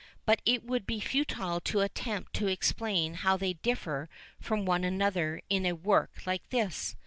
But it would be futile to attempt to explain how they differ from one another in a work like this.